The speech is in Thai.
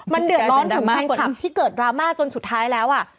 มันเดือดร้อนถึงแฟนคลับที่เกิดดราม่าจนสุดท้ายแล้วอ่ะ